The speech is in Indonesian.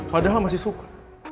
padahal masih suka